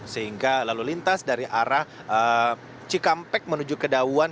sehingga lalu lintas dari arah cikampek menuju ke dawan